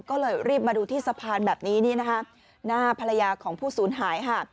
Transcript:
ก็เลยรีบมาดูที่สะพานแบบนี้หน้าภรรยาของผู้ศูนย์หาย